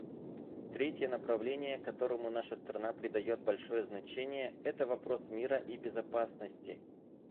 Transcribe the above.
Третье направление, которому наша страна придает большое значение, — это вопрос мира и безопасности.